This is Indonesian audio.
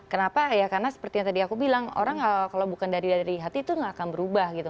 kenapa ya karena seperti yang tadi aku bilang orang kalau bukan dari hati itu gak akan berubah gitu